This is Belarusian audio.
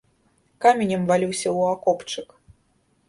Каменем валюся ў акопчык.